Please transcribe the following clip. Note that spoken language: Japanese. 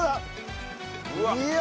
いや！